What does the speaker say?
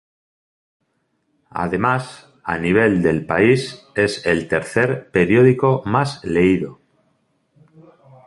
Además a nivel del país es el tercer periódico más leído.